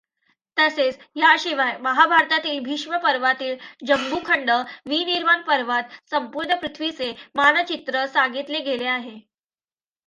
तसेच याशिवाय महाभारतातील भीष्म पर्वातील जंबुखंड, विनिर्माण पर्वात संपूर्ण पृथ्वीचे मानचित्र सांगितले गेले आहे.